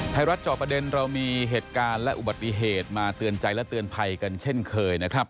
จอประเด็นเรามีเหตุการณ์และอุบัติเหตุมาเตือนใจและเตือนภัยกันเช่นเคยนะครับ